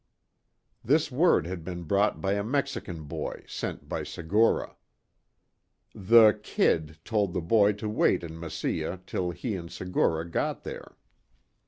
This word had been brought by a Mexican boy, sent by Segura. The "Kid" told the boy to wait in Mesilla till he and Segura got there.